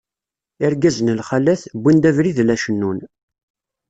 Irgazen lxalat, wwin-d abrid la cennun.